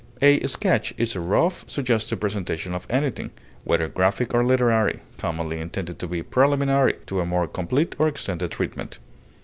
A sketch is a rough, suggestive presentation of anything, whether graphic or literary, commonly intended to be preliminary to a more complete or extended treatment.